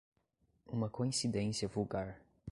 Uma coincidência vulgar